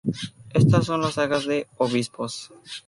Estas son las sagas de obispos.